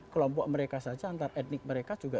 kelompok mereka saja antar etnik mereka juga